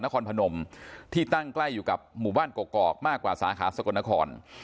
พนมที่ตั้งใกล้อยู่กับหมู่บ้านกอกมากกว่าสาขาสกลนคร